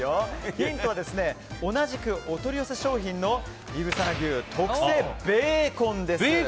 ヒントは同じくお取り寄せ商品のいぶさな牛特製ベーコンです。